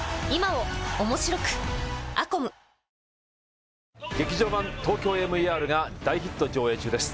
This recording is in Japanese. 「ほんだし」で劇場版「ＴＯＫＹＯＭＥＲ」が大ヒット上映中です